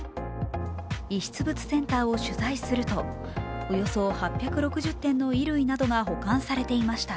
遺失物センターを取材するとおよそ８６０点の衣類などが保管されていました。